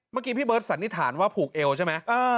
เมื่อกี้พี่เบิร์ตสันนิษฐานว่าผูกเอวใช่ไหม